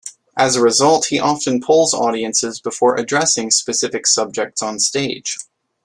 As a result, he often polls audiences before addressing specific subjects onstage.